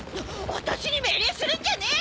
私に命令するんじゃねえ！